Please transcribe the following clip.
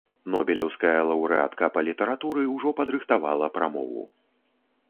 Нобелеўская лаўрэатка па літаратуры ўжо падрыхтавала прамову.